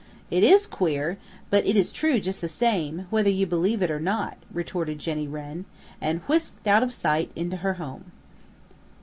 "It is queer, but it is true just the same, whether you believe it or not," retorted Jenny Wren, and whisked out of sight into her home.